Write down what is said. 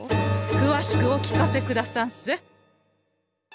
くわしくお聞かせくださんせ！